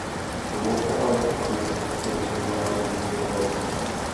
Dovolte ale, abych přesto vyslovila jednu obavu.